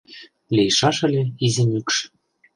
Лийшаш ыле изи мӱкш